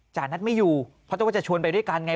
จานัทไม่อยู่เพราะต้องว่าจะชวนไปด้วยกันไง